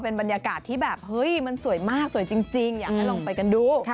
เป็นบรรยากาศที่แบบเฮ้ยมันสวยมากสวยจริงอยากให้ลองไปกันดู